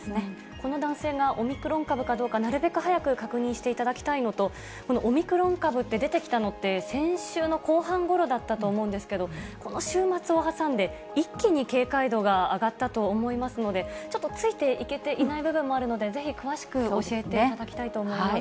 この男性がオミクロン株かどうか、なるべく早く確認していただきたいのと、このオミクロン株って出てきたのって、先週の後半ごろだったと思うんですけど、この週末を挟んで、一気に警戒度が上がったと思いますので、ちょっとついていけていない部分もあるので、ぜひ詳しく教えていただきたいと思います。